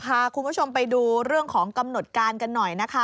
พาคุณผู้ชมไปดูเรื่องของกำหนดการกันหน่อยนะคะ